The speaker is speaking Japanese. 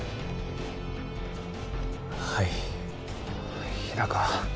はい日高